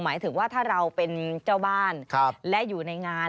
หมายถึงว่าถ้าเราเป็นเจ้าบ้านและอยู่ในงาน